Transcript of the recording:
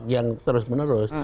yang terus menerus